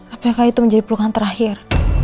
apakah itu menjadi pelukan terakhir